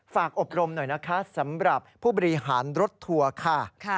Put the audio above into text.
อบรมหน่อยนะคะสำหรับผู้บริหารรถทัวร์ค่ะ